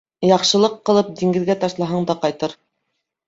Яҡшылыҡ ҡылып диңгеҙгә ташлаһаң да ҡайтыр.